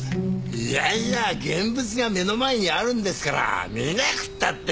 いやいや現物が目の前にあるんですから見なくったって。